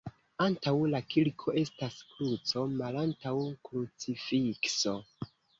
Antaŭ la kirko estas kruco malantaŭ krucifikso.